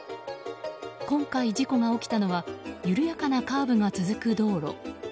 今回、事故が起きたのは緩やかなカーブが続く道路。